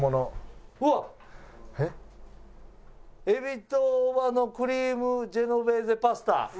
海老と大葉のクリームジェノベーゼパスタ。